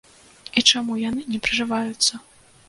І чаму яны не прыжываюцца?